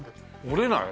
折れない？